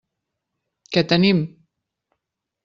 Què tenim?